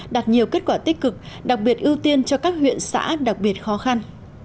đạt nhiều kết quả tích cực đặc biệt ưu tiên cho các huyện xã đặc biệt khó khăn